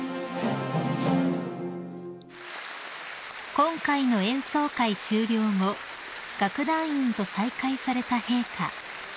［今回の演奏会終了後楽団員と再会された陛下］